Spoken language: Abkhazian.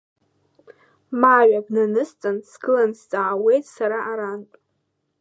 Маҩа бнанысҵан, сгылан сҵаауеит сара арантә.